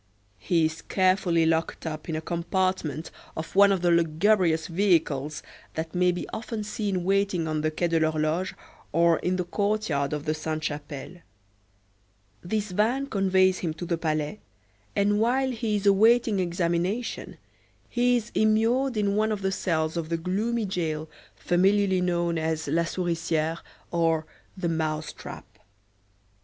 He is carefully locked up in a compartment of one of the lugubrious vehicles that may be often seen waiting on the Quai de l'Horloge, or in the courtyard of the Sainte Chapelle. This van conveys him to the Palais, and while he is awaiting examination, he is immured in one of the cells of the gloomy jail, familiarly known as "la Souriciere" or the "mouse trap."